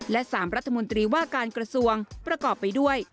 และ๓รัฐมนตรีว่าการกระทรวงประกอบไปด้วย